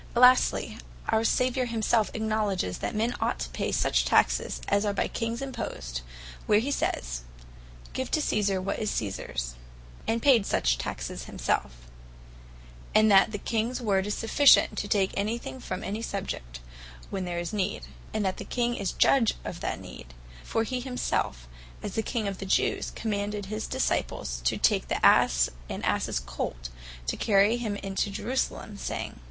Lastly, our Saviour himselfe acknowledges, that men ought to pay such taxes as are by Kings imposed, where he sayes, "Give to Caesar that which is Caesars;" and payed such taxes himselfe. And that the Kings word, is sufficient to take any thing from any subject, when there is need; and that the King is Judge of that need: For he himselfe, as King of the Jewes, commanded his Disciples to take the Asse, and Asses Colt to carry him into Jerusalem, saying, (Mat.